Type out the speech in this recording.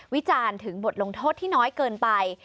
วิจารณ์ถึงบทลงโทษที่น้อยเกินไป